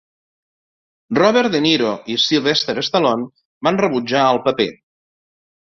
Robert De Niro i Sylvester Stallone van rebutjar el paper.